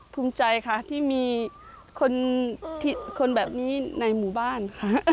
ภูมิใจค่ะที่มีคนแบบนี้ในหมู่บ้านค่ะ